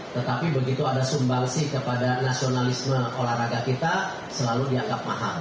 tetapi begitu ada sumbangsi kepada nasionalisme olahraga kita selalu dianggap mahal